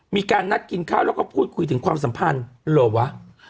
มีการนัดกินข้าวแล้วก็พูดคุยถึงความสัมพันธ์เหรอวะ